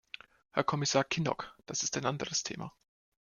Herr Kommissar Kinnock, das ist ein anderes Thema.